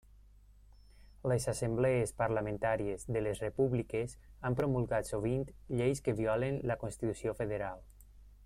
Les assemblees parlamentàries de les repúbliques han promulgat sovint lleis que violen la constitució federal.